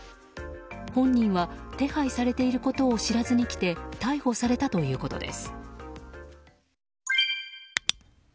本人は手配されていることを知らずに来て逮捕されたということです。